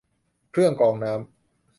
เครื่องกรองน้ำ